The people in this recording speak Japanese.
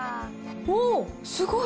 おー、すごい。